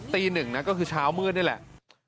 ตีหนึ่งนะก็คือเช้ามืดนี่แหละ